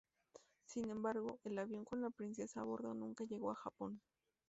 Sin embargo, el avión con la princesa a bordo nunca llegó a Japón.